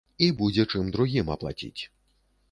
І будзе чым другім аплаціць.